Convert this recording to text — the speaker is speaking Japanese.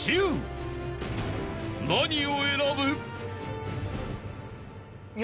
［何を選ぶ？］